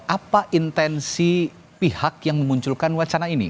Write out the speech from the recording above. apa intensi pihak yang memunculkan wacana ini